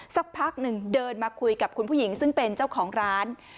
สักพักหนึ่งเดินมาคุยกับคุณผู้หญิงซึ่งเป็นเจ้าของร้าน